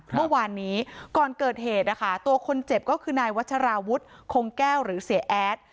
เมื่อวานนี้ก่อนเกิดเหตุนะคะตัวคนเจ็บก็คือนายวัชราวุฒิคงแก้วหรือเสียแอด